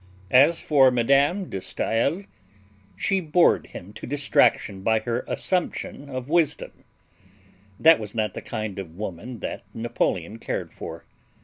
As for Mme. de Stael, she bored him to distraction by her assumption of wisdom. That was not the kind of woman that Napoleon cared for.